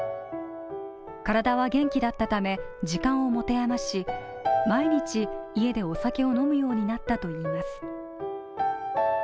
体は元気だったため時間を持て余し毎日、家でお酒を飲むようになったといいます。